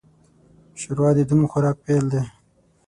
ښوروا د دروند خوراک پیل دی.